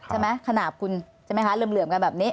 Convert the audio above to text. ขนาดคุณใช่ไหมคะเหลื่อมกันแบบนี้